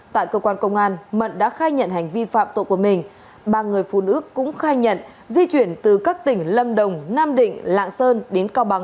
tại cơ quan công an mận đã khai nhận hành vi phạm tội của mình ba người phụ nữ cũng khai nhận di chuyển từ các tỉnh lâm đồng nam định lạng sơn đến cao bằng